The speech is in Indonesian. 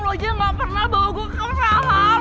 lu aja gak pernah bawa gue ke mahal